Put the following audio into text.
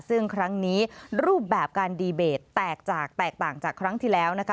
ซึ่งครั้งนี้รูปแบบการดีเบตแตกจากแตกต่างจากครั้งที่แล้วนะคะ